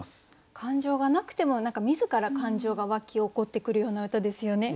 感情がなくても自ら感情が湧き起こってくるような歌ですよね。